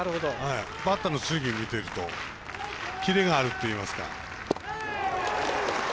バッター見ていくとキレがあるといいますか。